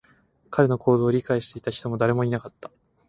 彼の行動を理解していた人も誰もいなかった